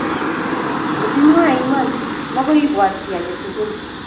Ngot imwoe iman, maakoi ibwat kiy aketukul